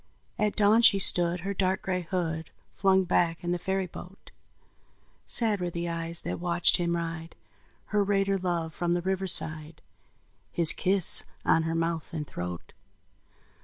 At dawn she stood her dark gray hood Flung back in the ferry boat; Sad were the eyes that watched him ride, Her raider love, from the riverside, His kiss on her mouth and throat.